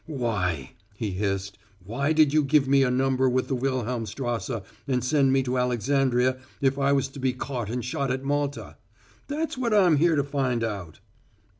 "Why," he hissed, "why did you give me a number with the Wilhelmstrasse and send me to Alexandria if I was to be caught and shot at Malta? That's what I'm here to find out."